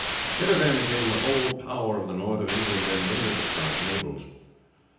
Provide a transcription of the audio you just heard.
Hither then came the whole power of the north of England, and many of the Scotch nobles.